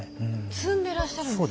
積んでらっしゃるんですか。